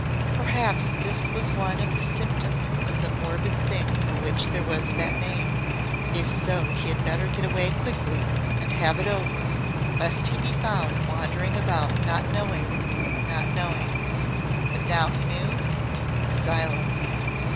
Perhaps this was one of the symptoms of the morbid thing for which there was that name. If so he had better get away quickly and have it over, lest he be found wandering about not knowing not knowing. But now he knew the Silence.